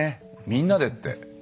みんなでって。